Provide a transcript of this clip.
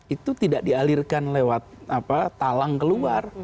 itu tidak dialirkan lewat talang keluar